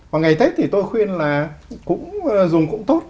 và ngày tết thì tôi khuyên là cũng dùng cũng tốt